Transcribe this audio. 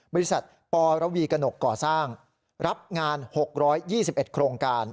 บริษัทปรวีกระหนกก่อสร้างรับงาน๖๒๑โครงการ